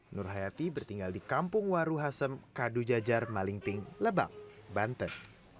nur hayati bertinggal di kampung waruhasem kadujajar malingping lebak banten